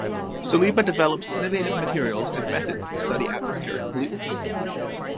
Saliba develops innovative materials and methods to study atmospheric pollutants.